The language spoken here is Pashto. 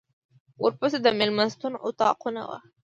ورپسې د مېلمستون اطاقونه و.